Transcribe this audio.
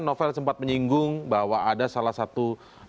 novel sempat menyinggung bahwa ada salah satu